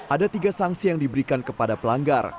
ada tiga sanksi yang diberikan kepada pelanggar